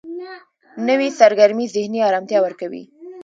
نوې سرګرمي ذهني آرامتیا ورکوي